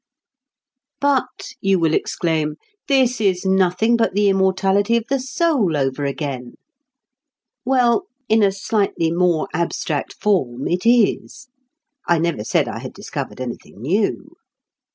"But," you will exclaim, "this is nothing but the immortality of the soul over again!" Well, in a slightly more abstract form, it is. (I never said I had discovered anything new.)